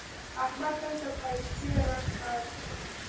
احمد تل د پايڅې رنګ پالي.